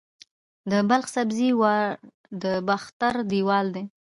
د بلخ سبزې وار د باختر دیوال دی